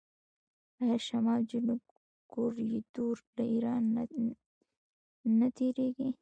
آیا شمال جنوب کوریډور له ایران نه تیریږي؟